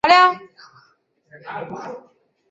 绒额䴓为䴓科䴓属的鸟类。